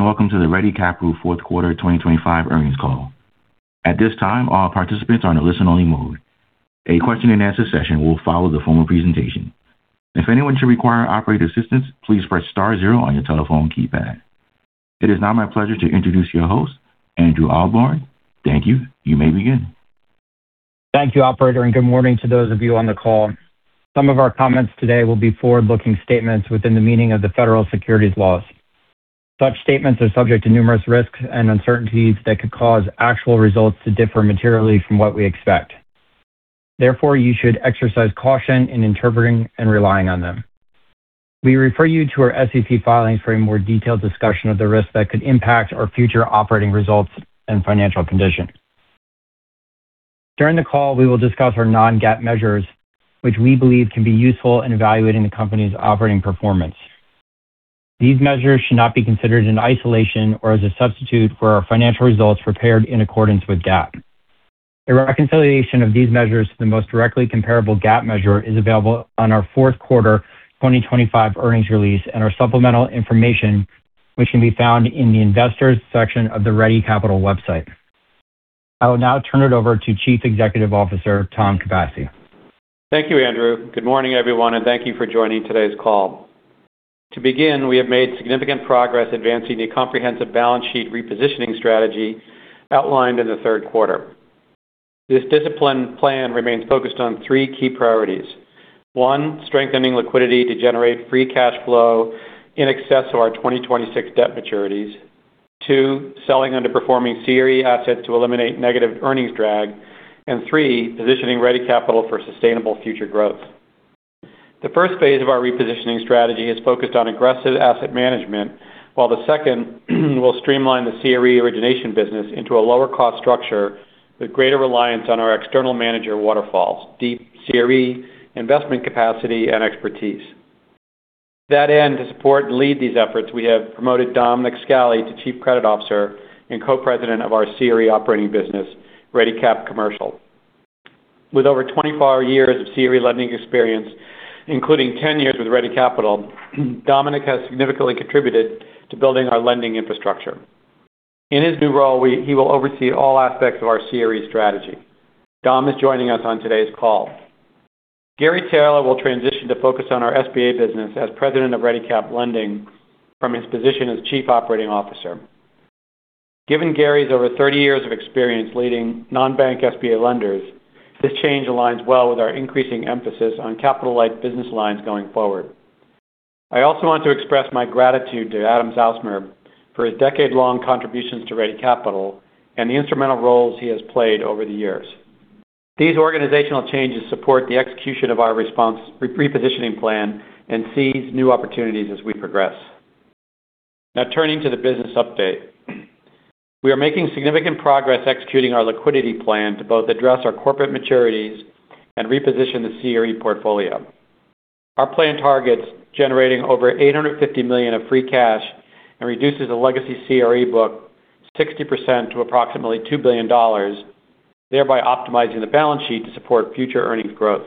Greetings, and welcome to the Ready Capital Fourth Quarter 2025 Earnings Call. At this time, all participants are in a listen-only mode. A question-and-answer session will follow the formal presentation. If anyone should require operator assistance, please press star zero on your telephone keypad. It is now my pleasure to introduce your host, Andrew Ahlborn. Thank you. You may begin. Thank you, operator, and good morning to those of you on the call. Some of our comments today will be forward-looking statements within the meaning of the federal securities laws. Such statements are subject to numerous risks and uncertainties that could cause actual results to differ materially from what we expect. Therefore, you should exercise caution in interpreting and relying on them. We refer you to our SEC filings for a more detailed discussion of the risks that could impact our future operating results and financial condition. During the call, we will discuss our non-GAAP measures, which we believe can be useful in evaluating the company's operating performance. These measures should not be considered in isolation or as a substitute for our financial results prepared in accordance with GAAP. A reconciliation of these measures to the most directly comparable GAAP measure is available on our fourth quarter 2025 earnings release and our supplemental information, which can be found in the Investors section of the Ready Capital website. I will now turn it over to Chief Executive Officer, Thomas Capasse. Thank you, Andrew. Good morning, everyone. Thank you for joining today's call. To begin, we have made significant progress advancing the comprehensive balance sheet repositioning strategy outlined in the third quarter. This disciplined plan remains focused on three key priorities. One, strengthening liquidity to generate free cash flow in excess of our 2026 debt maturities. Two, selling underperforming CRE assets to eliminate negative earnings drag. Three, positioning Ready Capital for sustainable future growth. The first phase of our repositioning strategy is focused on aggressive asset management, while the second will streamline the CRE origination business into a lower-cost structure with greater reliance on our external manager waterfalls, deep CRE investment capacity, and expertise. To that end, to support and lead these efforts, we have promoted Dominick Scali to Chief Credit Officer and Co-President of our CRE operating business, ReadyCap Commercial. With over 24 years of CRE lending experience, including 10 years with Ready Capital, Dominick has significantly contributed to building our lending infrastructure. In his new role, he will oversee all aspects of our CRE strategy. Dom is joining us on today's call. Gary Taylor will transition to focus on our SBA business as President of ReadyCap Lending from his position as Chief Operating Officer. Given Gary's over 30 years of experience leading non-bank SBA lenders, this change aligns well with our increasing emphasis on capital-light business lines going forward. I also want to express my gratitude to Adam Zausmer for his decade-long contributions to Ready Capital and the instrumental roles he has played over the years. These organizational changes support the execution of our repositioning plan and seize new opportunities as we progress. Now, turning to the business update. We are making significant progress executing our liquidity plan to both address our corporate maturities and reposition the CRE portfolio. Our plan targets generating over $850 million of free cash and reduces the legacy CRE book 60% to approximately $2 billion, thereby optimizing the balance sheet to support future earnings growth.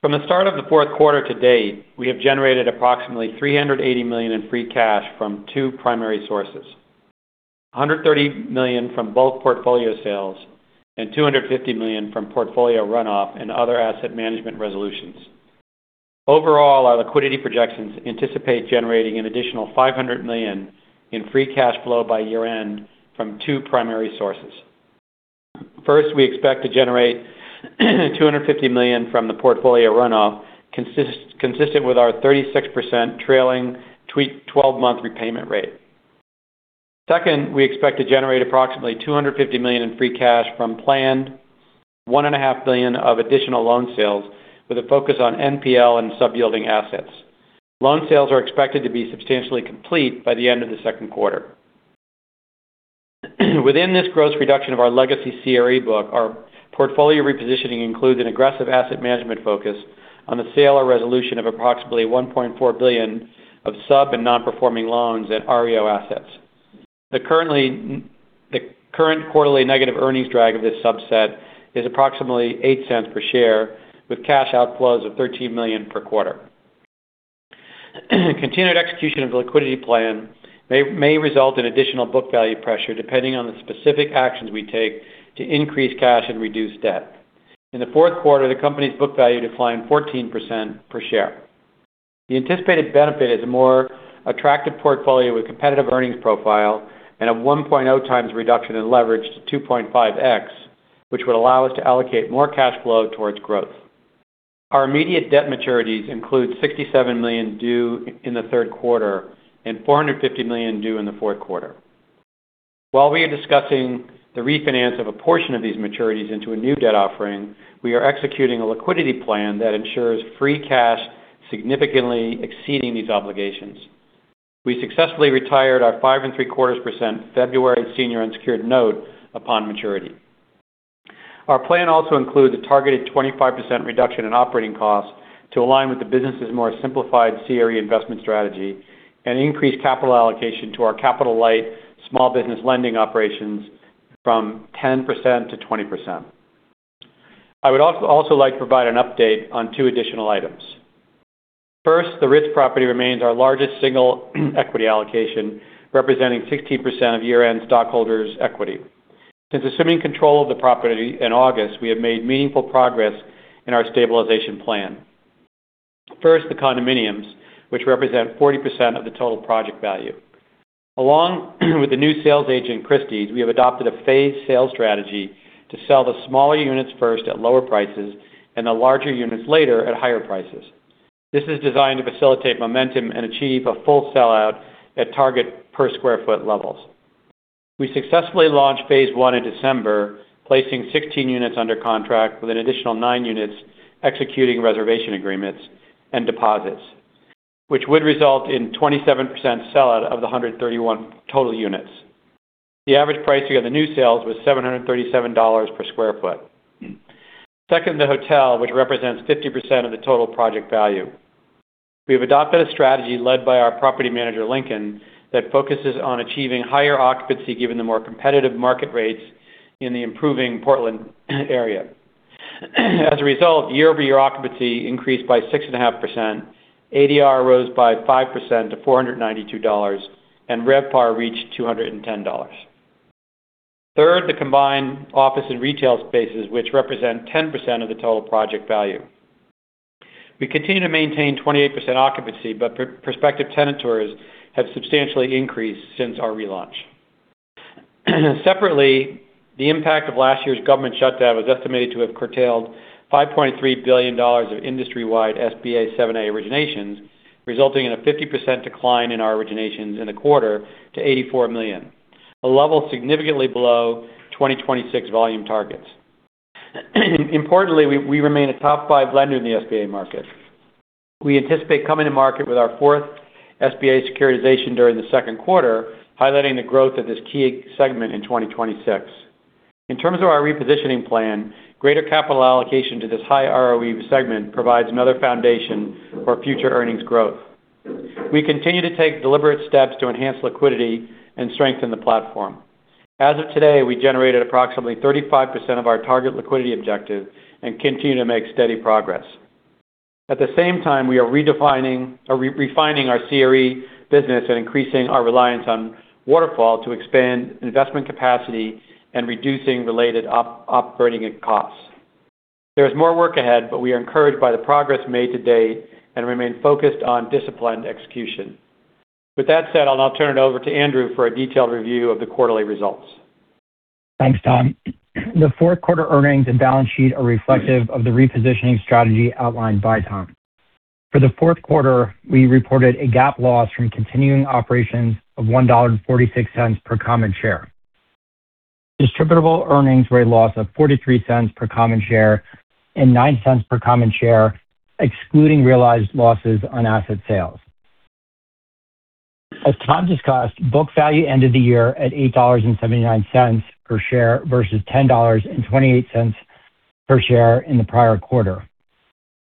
From the start of the fourth quarter to date, we have generated approximately $380 million in free cash from two primary sources: $130 million from both portfolio sales and $250 million from portfolio runoff and other asset management resolutions. Our liquidity projections anticipate generating an additional $500 million in free cash flow by year-end from two primary sources. First, we expect to generate $250 million from the portfolio runoff, consistent with our 36% trailing tweak twelve-month repayment rate. We expect to generate approximately $250 million in free cash from planned one and a half billion of additional loan sales, with a focus on NPL and sub-yielding assets. Loan sales are expected to be substantially complete by the end of the second quarter. Within this gross reduction of our legacy CRE book, our portfolio repositioning includes an aggressive asset management focus on the sale or resolution of approximately $1.4 billion of sub and non-performing loans and REO assets. The current quarterly negative earnings drag of this subset is approximately $0.08 per share, with cash outflows of $13 million per quarter. Continued execution of the liquidity plan may result in additional book value pressure, depending on the specific actions we take to increase cash and reduce debt. In the fourth quarter, the company's book value declined 14% per share. The anticipated benefit is a more attractive portfolio with competitive earnings profile and a 1.0 times reduction in leverage to 2.5x, which would allow us to allocate more cash flow towards growth. Our immediate debt maturities include $67 million due in the third quarter and $450 million due in the fourth quarter. While we are discussing the refinance of a portion of these maturities into a new debt offering, we are executing a liquidity plan that ensures free cash significantly exceeding these obligations. We successfully retired our 5.75% February senior unsecured note upon maturity. Our plan also includes a targeted 25% reduction in operating costs to align with the business' more simplified CRE investment strategy and increased capital allocation to our capital-light small business lending operations from 10% to 20%. I would also like to provide an update on two additional items. First, the Ritz property remains our largest single equity allocation, representing 16% of year-end stockholders' equity. Since assuming control of the property in August, we have made meaningful progress in our stabilization plan. First, the condominiums, which represent 40% of the total project value. With the new sales agent, Christie's, we have adopted a phased sales strategy to sell the smaller units first at lower prices and the larger units later at higher prices. This is designed to facilitate momentum and achieve a full sellout at target per square foot levels. We successfully launched phase one in December, placing 16 units under contract, with an additional nine units executing reservation agreements and deposits, which would result in 27% sellout of the 131 total units. The average pricing of the new sales was $737 per sq ft. Second, the hotel, which represents 50% of the total project value. We have adopted a strategy led by our property manager, Lincoln, that focuses on achieving higher occupancy, given the more competitive market rates in the improving Portland area. As a result, year-over-year occupancy increased by 6.5%, ADR rose by 5% to $492, and RevPAR reached $210. Third, the combined office and retail spaces, which represent 10% of the total project value. We continue to maintain 28% occupancy, prospective tenant tours have substantially increased since our relaunch. Separately, the impact of last year's government shutdown was estimated to have curtailed $5.3 billion of industry-wide SBA 7(a) originations, resulting in a 50% decline in our originations in the quarter to $84 million, a level significantly below 2026 volume targets. Importantly, we remain a top five lender in the SBA market. We anticipate coming to market with our fourth SBA securitization during the second quarter, highlighting the growth of this key segment in 2026. In terms of our repositioning plan, greater capital allocation to this high ROE segment provides another foundation for future earnings growth. We continue to take deliberate steps to enhance liquidity and strengthen the platform. As of today, we generated approximately 35% of our target liquidity objective and continue to make steady progress. At the same time, we are redefining or re-refining our CRE business and increasing our reliance on Waterfall to expand investment capacity and reducing related operating costs. There is more work ahead, but we are encouraged by the progress made to date and remain focused on disciplined execution. With that said, I'll now turn it over to Andrew for a detailed review of the quarterly results. Thanks, Tom. The fourth quarter earnings and balance sheet are reflective of the repositioning strategy outlined by Tom. For the fourth quarter, we reported a GAAP loss from continuing operations of $1.46 per common share. Distributable earnings were a loss of $0.43 per common share and $0.09 per common share, excluding realized losses on asset sales. As Tom just discussed, book value ended the year at $8.79 per share versus $10.28 per share in the prior quarter.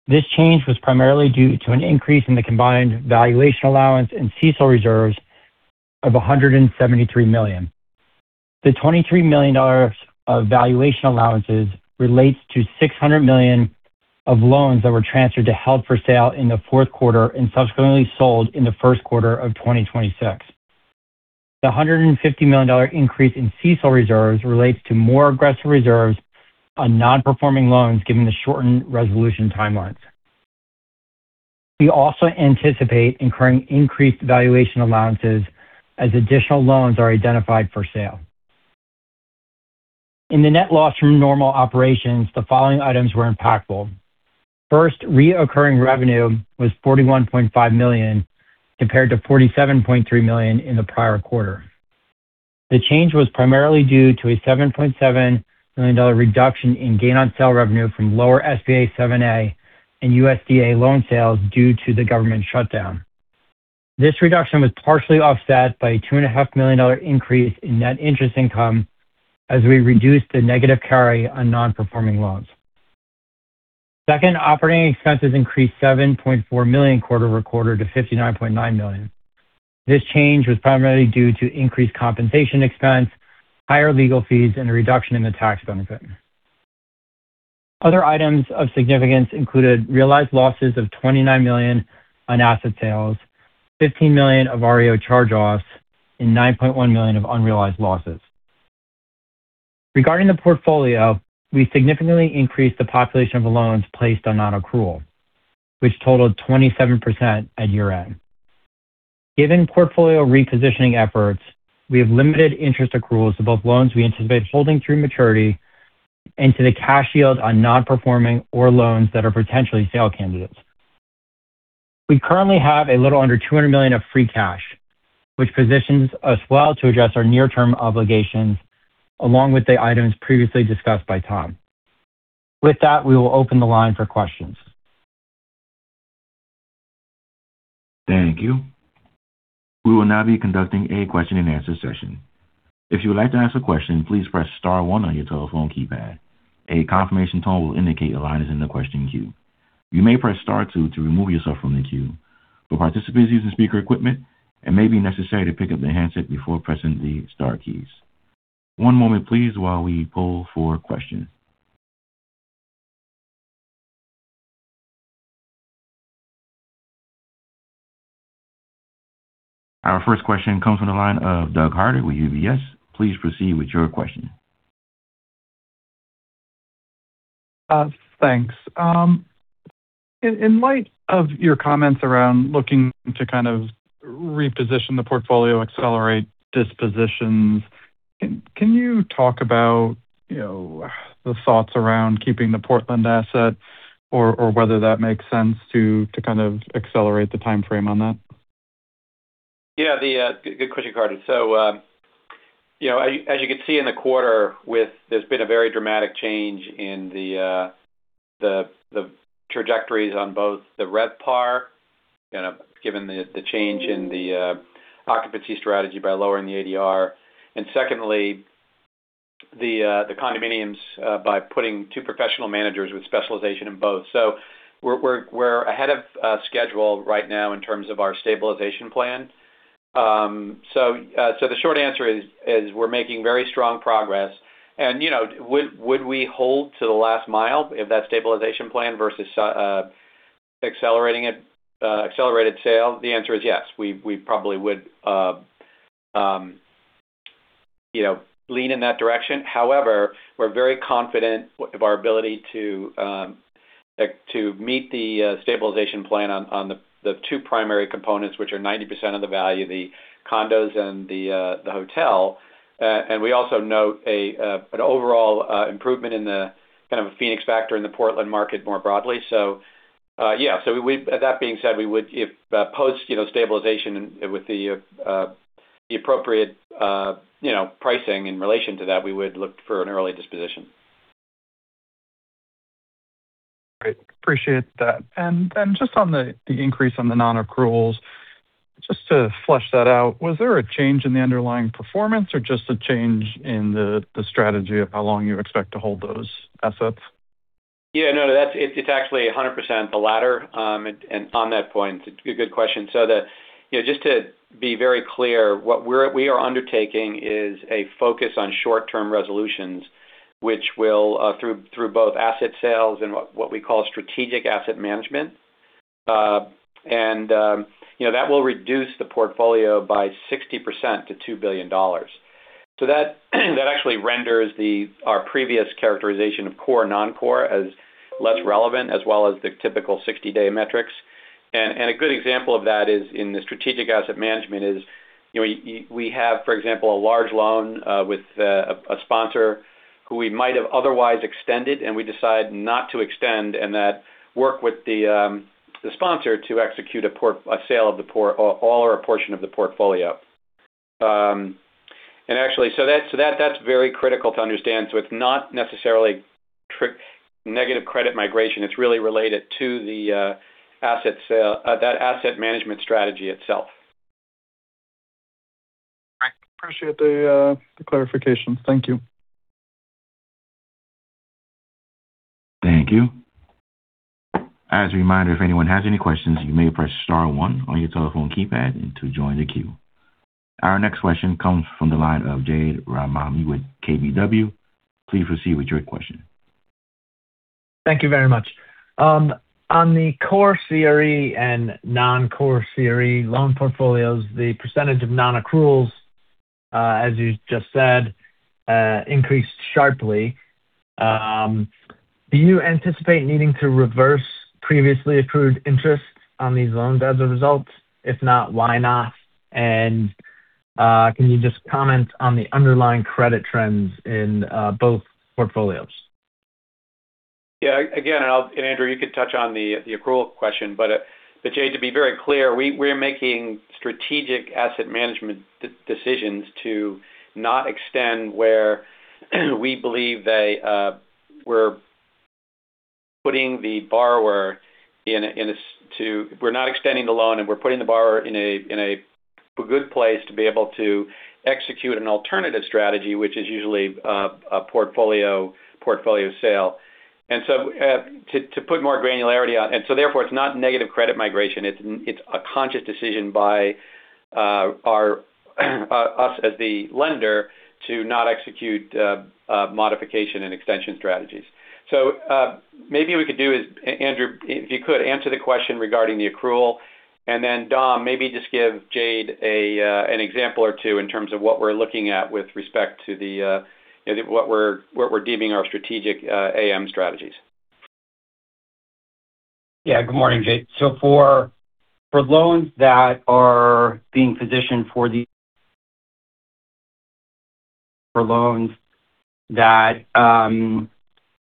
This change was primarily due to an increase in the combined valuation allowance and CECL reserves of $173 million. The $23 million of valuation allowances relates to $600 million of loans that were transferred to held-for-sale in the fourth quarter and subsequently sold in the first quarter of 2026. The $150 million increase in CECL reserves relates to more aggressive reserves on non-performing loans, given the shortened resolution timelines. We also anticipate incurring increased valuation allowances as additional loans are identified for sale. In the net loss from normal operations, the following items were impactful. First, recurring revenue was $41.5 million, compared to $47.3 million in the prior quarter. The change was primarily due to a $7.7 million reduction in gain on sale revenue from lower SBA 7(a) and USDA loan sales due to the government shutdown. This reduction was partially offset by a two and a half million dollar increase in net interest income as we reduced the negative carry on non-performing loans. Second, operating expenses increased $7.4 million quarter-over-quarter to $59.9 million. This change was primarily due to increased compensation expense, higher legal fees, and a reduction in the tax benefit. Other items of significance included realized losses of $29 million on asset sales, $15 million of REO charge-offs, and $9.1 million of unrealized losses. Regarding the portfolio, we significantly increased the population of loans placed on nonaccrual, which totaled 27% at year-end. Given portfolio repositioning efforts, we have limited interest accruals to both loans we anticipate holding through maturity and to the cash yield on non-performing or loans that are potentially sale candidates. We currently have a little under $200 million of free cash, which positions us well to address our near-term obligations, along with the items previously discussed by Tom. We will open the line for questions. Thank you. We will now be conducting a question-and-answer session. If you would like to ask a question, please press star one on your telephone keypad. A confirmation tone will indicate your line is in the question queue. You may press star two to remove yourself from the queue. For participants using speaker equipment, it may be necessary to pick up the handset before pressing the star keys. One moment please, while we pull for questions. Our first question comes from the line of Douglas Harter with UBS. Please proceed with your question. Thanks. In light of your comments around looking to kind of reposition the portfolio, accelerate dispositions, can you talk about, you know, the thoughts around keeping the Portland asset or whether that makes sense to kind of accelerate the time frame on that? The good question, Harter. You know, as you can see in the quarter with there's been a very dramatic change in the trajectories on both the RevPAR, kind of, given the change in the occupancy strategy by lowering the ADR. Secondly, the condominiums by putting two professional managers with specialization in both. We're ahead of schedule right now in terms of our stabilization plan. The short answer is we're making very strong progress. You know, would we hold to the last mile if that stabilization plan versus accelerating it, accelerated sale? The answer is yes. We probably would, you know, lean in that direction. However, we're very confident of our ability to meet the stabilization plan on the two primary components, which are 90% of the value, the condos and the hotel. We also note an overall improvement in the kind of a Phoenix factor in the Portland market more broadly. Yeah, that being said, we would if post, you know, stabilization with the appropriate, you know, pricing in relation to that, we would look for an early disposition. Great. Appreciate that. Just on the increase on the nonaccruals, just to flush that out, was there a change in the underlying performance or just a change in the strategy of how long you expect to hold those assets? Yeah, no, it's actually 100% the latter. On that point, it's a good question. You know, just to be very clear, what we are undertaking is a focus on short-term resolutions, which will through both asset sales and what we call strategic asset management. You know, that will reduce the portfolio by 60% to $2 billion. That actually renders the our previous characterization of core non-core as less relevant, as well as the typical 60-day metrics. A good example of that is in the strategic asset management is, you know, we have, for example, a large loan with a sponsor who we might have otherwise extended, and we decide not to extend, and that work with the sponsor to execute a sale of all or a portion of the portfolio. Actually, that's very critical to understand. It's not necessarily negative credit migration. It's really related to the asset sale, that asset management strategy itself. I appreciate the clarification. Thank you. Thank you. As a reminder, if anyone has any questions, you may press star one on your telephone keypad to join the queue. Our next question comes from the line of Jade Rahmani with KBW. Please proceed with your question. Thank you very much. On the core CRE and non-core CRE loan portfolios, the percentage of nonaccruals, as you just said, increased sharply. Do you anticipate needing to reverse previously accrued interest on these loans as a result? If not, why not? Can you just comment on the underlying credit trends in both portfolios? Yeah, again, I'll. Andrew, you could touch on the accrual question, but Jade, to be very clear, we're making strategic asset management decisions to not extend where, we believe they, we're putting the borrower in a good place to be able to execute an alternative strategy, which is usually a portfolio sale. To put more granularity on, therefore it's not negative credit migration. It's a conscious decision by us as the lender to not execute modification and extension strategies. Maybe what we could do is, Andrew, if you could, answer the question regarding the accrual, and then, Dom, maybe just give Jade a, an example or two in terms of what we're looking at with respect to the, what we're deeming our strategic AM strategies. Yeah. Good morning, Jade. For loans that were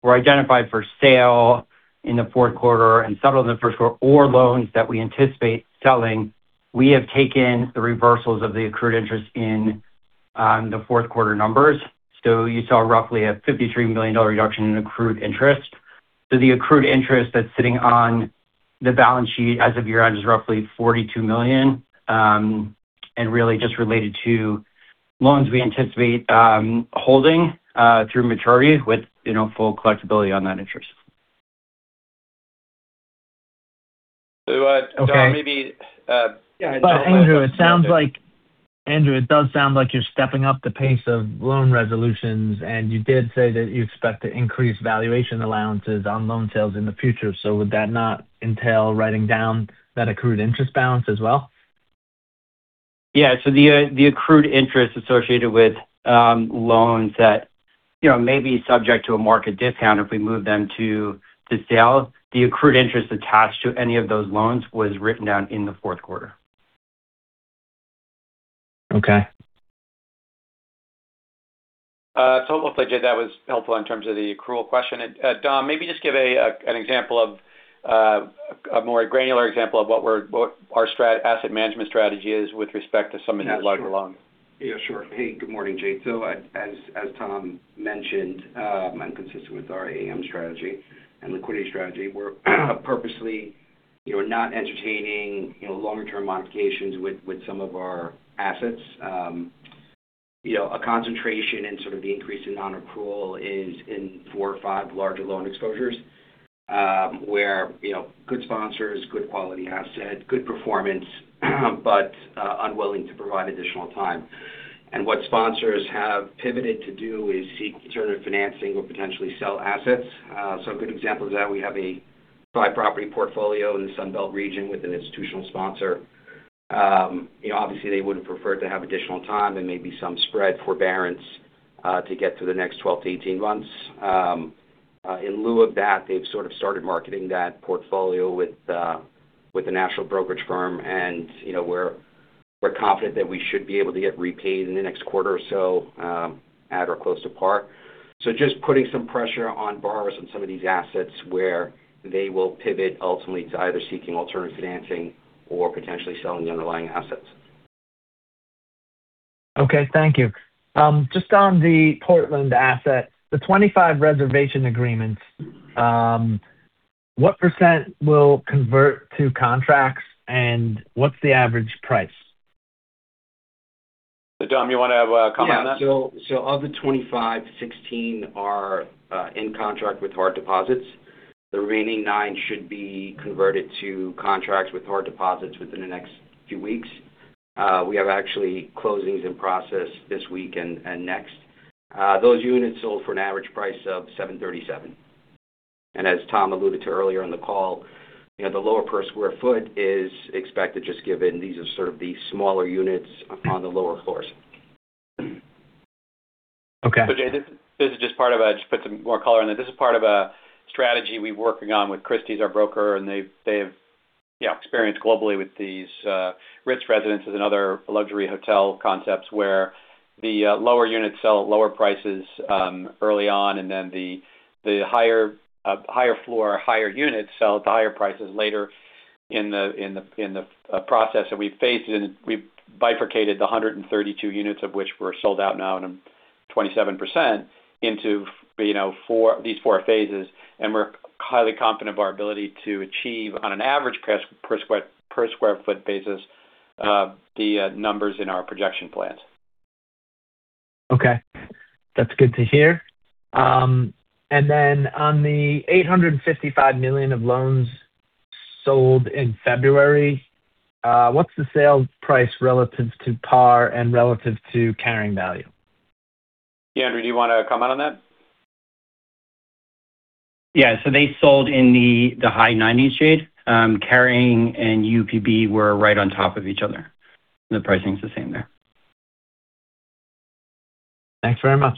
identified for sale in the fourth quarter and settled in the first quarter, or loans that we anticipate selling, we have taken the reversals of the accrued interest in the fourth quarter numbers. You saw roughly a $53 million reduction in accrued interest. The accrued interest that's sitting on the balance sheet as of year-end is roughly $42 million.... and really just related to loans we anticipate, holding, through maturity with, you know, full collectibility on that interest. Dom, maybe. Andrew, it does sound like you're stepping up the pace of loan resolutions, and you did say that you expect to increase valuation allowances on loan sales in the future. Would that not entail writing down that accrued interest balance as well? Yeah. The accrued interest associated with, loans that, you know, may be subject to a market discount if we move them to sale. The accrued interest attached to any of those loans was written down in the fourth quarter. Okay. Hopefully, Jade, that was helpful in terms of the accrual question. Dom, maybe just give an example of a more granular example of what our asset management strategy is with respect to some of these larger loans. Yeah, sure. Hey, good morning, Jade. As Tom mentioned, and consistent with our AM strategy and liquidity strategy, we're purposely, you know, not entertaining, you know, longer-term modifications with some of our assets. You know, a concentration in sort of the increase in non-accrual is in four or five larger loan exposures, where, you know, good sponsors, good quality asset, good performance, but unwilling to provide additional time. What sponsors have pivoted to do is seek alternative financing or potentially sell assets. A good example of that, we have a five-property portfolio in the Sunbelt region with an institutional sponsor. You know, obviously, they would have preferred to have additional time and maybe some spread forbearance to get to the next 12 to 18 months. In lieu of that, they've sort of started marketing that portfolio with a national brokerage firm, and, you know, we're confident that we should be able to get repaid in the next quarter or so, at or close to par. Just putting some pressure on borrowers on some of these assets, where they will pivot ultimately to either seeking alternative financing or potentially selling the underlying assets. Okay, thank you. Just on the Portland asset, the 25 reservation agreements, what % will convert to contracts, and what's the average price? Dom, you want to comment on that? Of the 25, 16 are in contract with hard deposits. The remaining nine should be converted to contracts with hard deposits within the next few weeks. We have actually closings in process this week and next. Those units sold for an average price of $737. As Tom alluded to earlier in the call, you know, the lower per square foot is expected, just given these are sort of the smaller units on the lower floors. Okay. Jade. Just put some more color on it. This is part of a strategy we're working on with Christie's, our broker, and they have, you know, experience globally with these rich residences and other luxury hotel concepts, where the lower units sell at lower prices early on, and then the higher floor or higher units sell at the higher prices later in the process. We've bifurcated the 132 units, of which were sold out now, and I'm 27% into, you know, these four phases, and we're highly confident of our ability to achieve on an average price per square, per square foot basis, the numbers in our projection plans. Okay. That's good to hear. On the $855 million of loans sold in February, what's the sales price relative to par and relative to carrying value? Yeah, Andrew, do you want to comment on that? Yeah. They sold in the high nineties, Jade. Carrying and UPB were right on top of each other. The pricing is the same there. Thanks very much.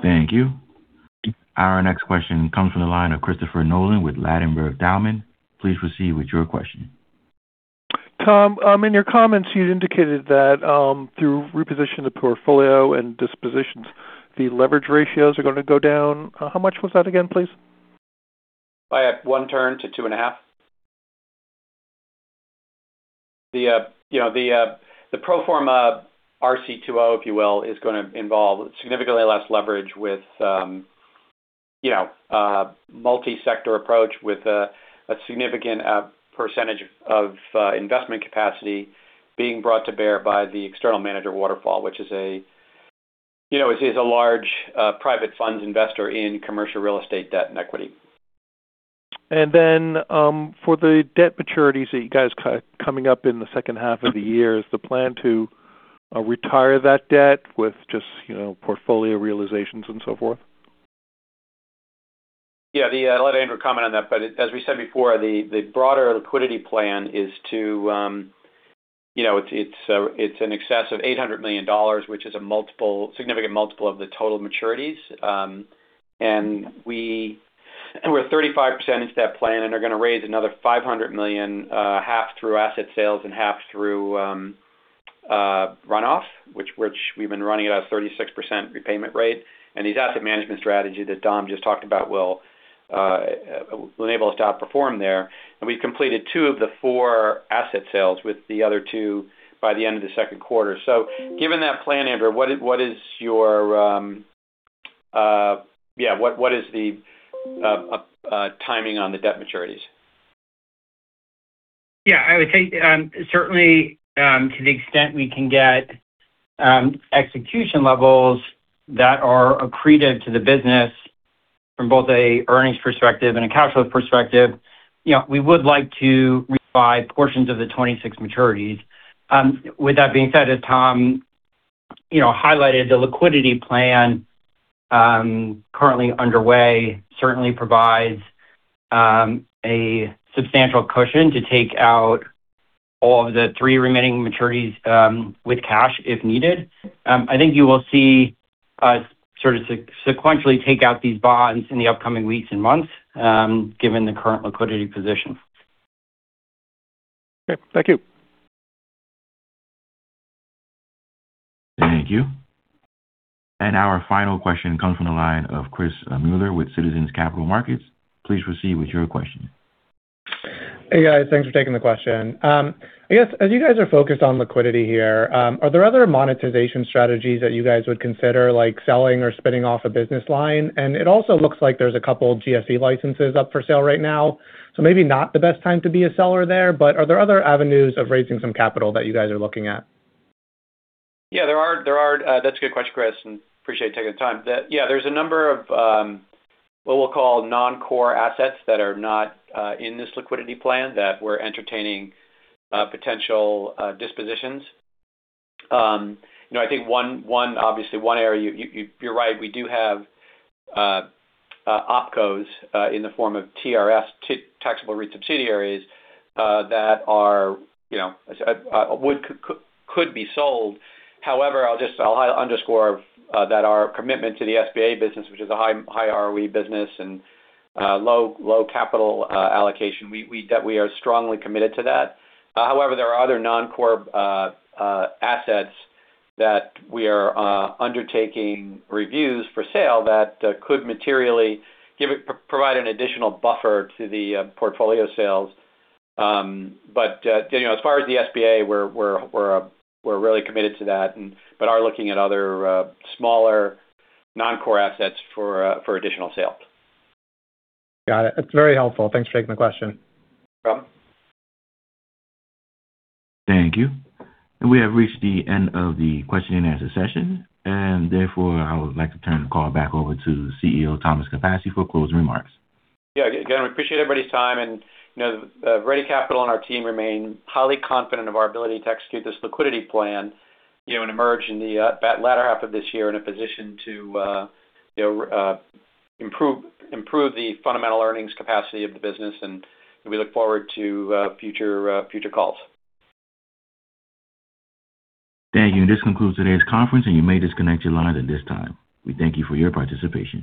Thank you. Our next question comes from the line of Christopher Nolan with Ladenburg Thalmann. Please proceed with your question. Tom, in your comments, you indicated that, through repositioning the portfolio and dispositions, the leverage ratios are going to go down. How much was that again, please? By 1 turn to 2.5. The, you know, the pro forma RC 2.0, if you will, is gonna involve significantly less leverage with, you know, multi-sector approach, with a significant percentage of investment capacity being brought to bear by the external manager, Waterfall, which is a, you know, is a large private funds investor in commercial real estate, debt, and equity. For the debt maturities that you guys coming up in the second half of the year, is the plan to retire that debt with just, you know, portfolio realizations and so forth? Yeah, I'll let Andrew comment on that. As we said before, the broader liquidity plan is to, you know, it's in excess of $800 million, which is a multiple-- significant multiple of the total maturities. We're 35% into that plan and are going to raise another $500 million, half through asset sales and half through runoff, which we've been running at a 36% repayment rate. These asset management strategy that Dom just talked about will enable us to outperform there. We've completed two of the four asset sales with the other two by the end of the second quarter. Given that plan, Andrew, what is your, yeah, what is the timing on the debt maturities? I would say, certainly, to the extent we can get execution levels that are accretive to the business from both an earnings perspective and a cash flow perspective, you know, we would like to refi portions of the 26 maturities. With that being said, as Tom, you know, highlighted, the liquidity plan currently underway certainly provides a substantial cushion to take out all of the three remaining maturities with cash, if needed. I think you will see us sort of sequentially take out these bonds in the upcoming weeks and months, given the current liquidity position. Okay, thank you. Thank you. Our final question comes from the line of Chris Muller with Citizens JMP Securities. Please proceed with your question. Hey, guys. Thanks for taking the question. I guess as you guys are focused on liquidity here, are there other monetization strategies that you guys would consider, like selling or spinning off a business line? It also looks like there's a couple GSE licenses up for sale right now, so maybe not the best time to be a seller there, but are there other avenues of raising some capital that you guys are looking at? Yeah, there are. That's a good question, Chris, and appreciate you taking the time. Yeah, there's a number of, what we'll call non-core assets that are not in this liquidity plan that we're entertaining potential dispositions. You know, I think one, obviously, one area, you're right, we do have opcos in the form of TRS, taxable REIT subsidiaries, that are, you know, would could be sold. However, I'll just underscore that our commitment to the SBA business, which is a high ROE business and low capital allocation, we are strongly committed to that. However, there are other non-core assets that we are undertaking reviews for sale that could materially provide an additional buffer to the portfolio sales. But, you know, as far as the SBA, we're really committed to that and but are looking at other smaller non-core assets for additional sale. Got it. That's very helpful. Thanks for taking the question. No problem. Thank you. We have reached the end of the question and answer session, and therefore, I would like to turn the call back over to CEO Thomas Capasse for closing remarks. Yeah. Again, we appreciate everybody's time, and, you know, Ready Capital and our team remain highly confident of our ability to execute this liquidity plan, you know, and emerge in the latter half of this year in a position to, you know, improve the fundamental earnings capacity of the business, and we look forward to future calls. Thank you. This concludes today's conference. You may disconnect your lines at this time. We thank you for your participation.